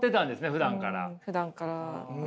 ふだんから。